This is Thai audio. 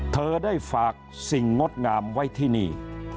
เธอได้ฝากสิ่งงดงามไว้ที่นี่